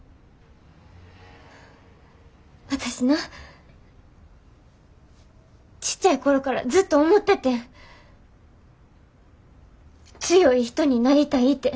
私なちっちゃい頃からずっと思っててん強い人になりたいて。